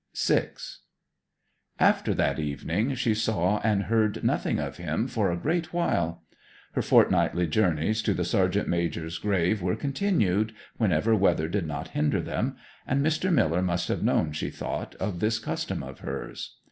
VI After that evening she saw and heard nothing of him for a great while. Her fortnightly journeys to the sergeant major's grave were continued, whenever weather did not hinder them; and Mr. Miller must have known, she thought, of this custom of hers.